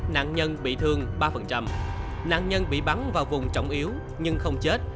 nạn nhân bị thương ba nạn nhân bị bắn vào vùng trọng yếu nhưng không chết